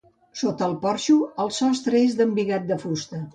Sota el porxo el sostre és d'embigat de fusta.